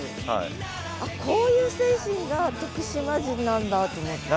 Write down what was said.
こういう精神が徳島人なんだと思って。